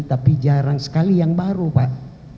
tapi jarang sekali yang baru pak